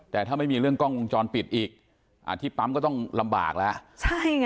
แต่ถ้าไม่มีเรื่องกล้องวงจรปิดอีกอ่าที่ปั๊มก็ต้องลำบากแล้วใช่ไง